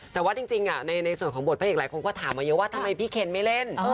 แต่ว่าจริงในส่วนของบทพระเอกหลายคนก็ถามมาเยอะว่าทำไมพี่เคนไม่เล่น